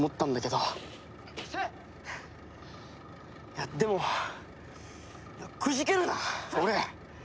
いやでもくじけるな俺！